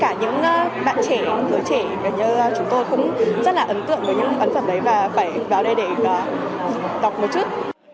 chúng tôi cũng rất là ấn tượng với những ấn phẩm đấy và phải vào đây để đọc một chút